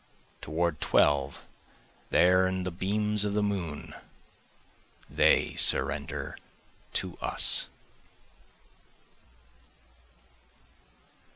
Toward twelve there in the beams of the moon they surrender to us.